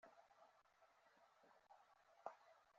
It's easy to tell the depth of a well.